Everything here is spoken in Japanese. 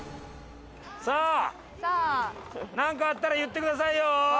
さあなんかあったら言ってくださいよ。